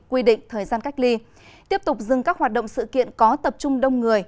quy định thời gian cách ly tiếp tục dừng các hoạt động sự kiện có tập trung đông người